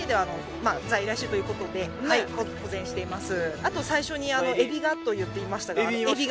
あと最初にエビがと言っていましたが。